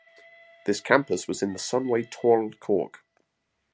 This campus was in the Sunway Tuol Kork.